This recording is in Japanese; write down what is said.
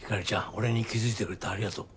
俺に気づいてくれてありがとう。